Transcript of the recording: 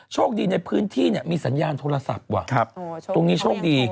โชคดีในพื้นที่เนี่ยมีสัญญาณโทรศัพท์ว่ะตรงนี้โชคดี